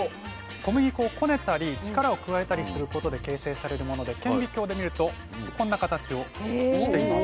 小麦粉をこねたり力を加えたりすることで形成されるもので顕微鏡で見るとこんな形をしています。